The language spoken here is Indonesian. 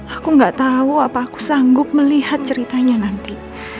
aku gak tahu apa aku sanggup melihat ceritanya nanti